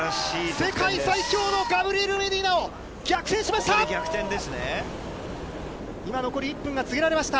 世界最強のガブリエル・メディーナを逆転しました。